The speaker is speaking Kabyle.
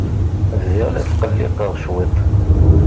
Bdiɣ la tqelliqeɣ cwiṭ.